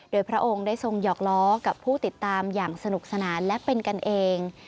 โดยพระองค์ได้ทรงหยอกล้อกับผู้ติดตามอย่างสนุกสนานและเป็นกันเอง